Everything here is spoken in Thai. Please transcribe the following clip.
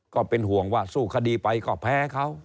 ก็เป็นห่วงว่าสู้คดีไปก็แพ้เขา